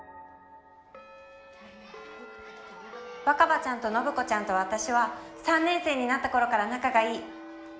若葉ちゃんと信子ちゃんと私は３年生になった頃から仲が良い。